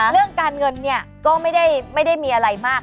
เรื่องการเงินเนี่ยก็ไม่ได้มีอะไรมาก